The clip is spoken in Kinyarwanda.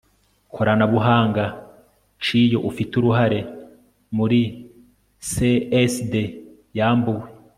koranabuhanga c iyo ufite uruhare muri CSD yambuwe